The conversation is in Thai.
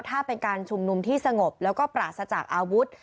ถ้าเป็นการชุมนุมที่สงบแล้วก็ปราศจากอาวุธ